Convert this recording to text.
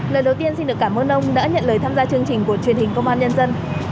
lời đầu tiên xin được cảm ơn ông đã nhận lời tham gia chương trình của truyền hình công an nhân dân